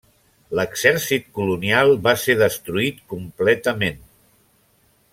L'exèrcit colonial va ser destruït completament.